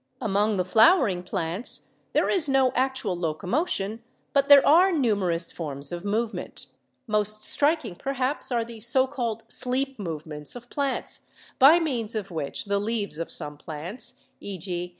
Among the flowering plants there is no actual locomotion, but there are numerous forms of LIFE PROCESSES "5 movement. Most striking perhaps are the so called "sleep movements" of plants by means of which the leaves of some plants — e.g.